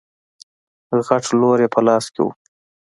غټ لور يې په لاس کې و.